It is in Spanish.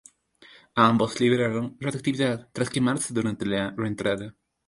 Ambos liberaron radiactividad tras quemarse durante la reentrada.